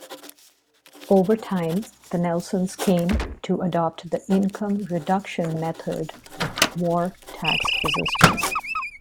Over time, the Nelsons came to adopt the income-reduction method of war tax resistance.